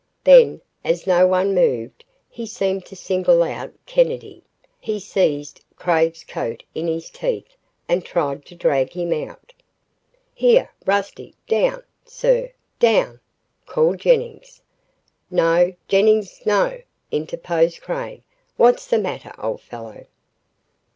Then, as no one moved, he seemed to single out Kennedy. He seized Craig's coat in his teeth and tried to drag him out. "Here, Rusty down, sir, down!" called Jennings. "No, Jennings, no," interposed Craig. "What's the matter, old fellow?"